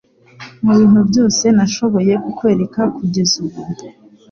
Mubintu byose nashoboye kukwereka kugeza ubu